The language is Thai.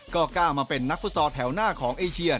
ก็กล้ามาเป็นนักภูตศาสตร์แถวหน้าของเอเชีย